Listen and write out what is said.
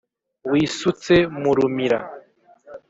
wisutse mu rumira